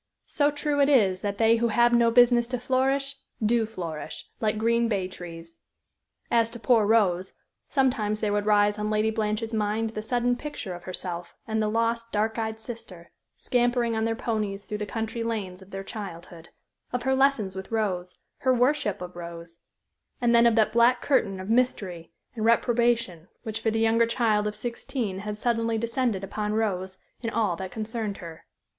So true it is that they who have no business to flourish do flourish, like green bay trees. As to poor Rose sometimes there would rise on Lady Blanche's mind the sudden picture of herself and the lost, dark eyed sister, scampering on their ponies through the country lanes of their childhood; of her lessons with Rose, her worship of Rose; and then of that black curtain of mystery and reprobation which for the younger child of sixteen had suddenly descended upon Rose and all that concerned her.